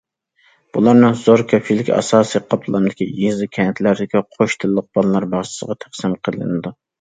بۇلارنىڭ زور كۆپچىلىكى ئاساسىي قاتلامدىكى يېزا، كەنتلەردىكى قوش تىللىق بالىلار باغچىسىغا تەقسىم قىلىنىدۇ.